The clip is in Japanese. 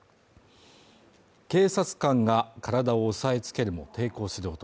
警察官が体を押さえつけるも抵抗する男